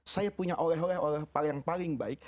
saya punya oleh oleh yang paling baik